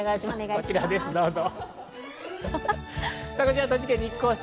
こちらです、どうぞ。